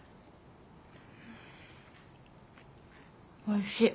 おいしい。